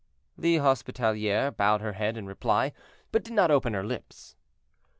The hospitaliere bowed her head in reply, but did not open her lips.